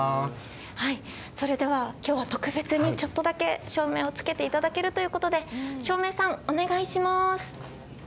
それでは今日は特別にちょっとだけ照明をつけていただけるということで照明さんお願いします。